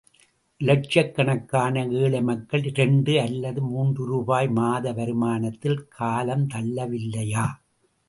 இலட்சக்கணக்கான ஏழை மக்கள் இரண்டு அல்லது மூன்று ரூபாய் மாத வருமானத்தில் காலம் தள்ளவில்லையா?